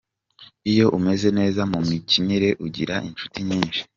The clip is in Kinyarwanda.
"Iyo umeze neza mu mikinire, ugira inshuti nyinshi.